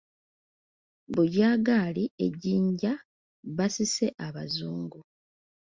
Bujagali e jinja basise abazungu.